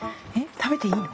食べていいの？